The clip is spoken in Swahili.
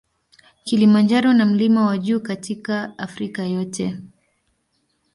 Kilimanjaro na mlima wa juu katika Afrika yote.